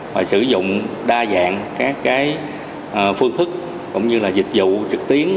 và sử dụng đa dạng các phương thức cũng như là dịch vụ trực tiến